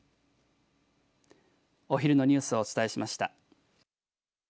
お昼のニュースをお伝えしました。